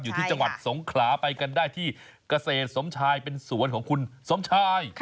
อยู่ที่จังหวัดสงขลาไปกันได้ที่เกษตรสมชายเป็นสวนของคุณสมชาย